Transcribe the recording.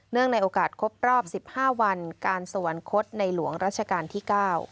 ในโอกาสครบรอบ๑๕วันการสวรรคตในหลวงรัชกาลที่๙